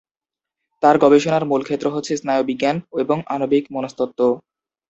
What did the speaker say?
তাঁর গবেষণার মূল ক্ষেত্র হচ্ছে স্নায়ুবিজ্ঞান এবং আণবিক মনস্তত্ত্ব।